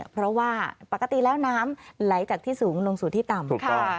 เพราะว่าปกติแล้วน้ำไหลจากที่สูงลงสู่ที่ต่ำ